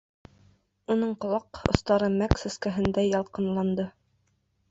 Уның ҡолаҡ остары мәк сәскәһендәй ялҡынланды.